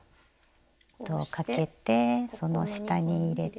糸をかけてその下に入れて。